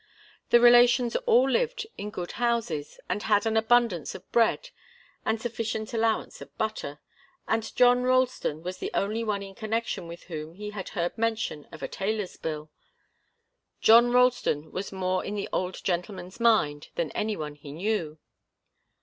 The relations all lived in good houses and had an abundance of bread and a sufficient allowance of butter, and John Ralston was the only one in connection with whom he had heard mention of a tailor's bill John Ralston was more in the old gentleman's mind than any one knew.